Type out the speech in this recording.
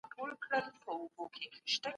د کار او ژوند توازن مهم دی.